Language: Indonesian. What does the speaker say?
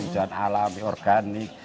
dan alami organik